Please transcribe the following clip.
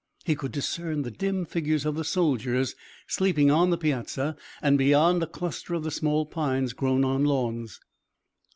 He could discern the dim figures of the soldiers sleeping on the piazza and beyond a cluster of the small pines grown on lawns.